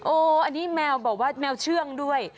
อันนี้แมวบอกว่าแมวเชื่องด้วย